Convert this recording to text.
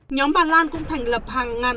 nhóm bà lan cũng thành lập hàng ngàn